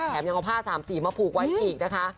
แถมเอาผ้า๓สีมาผูกไว้อีก